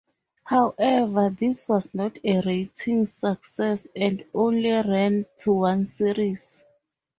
However, this was not a ratings success and only ran to one series.